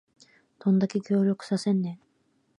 どんだけ協力させんねん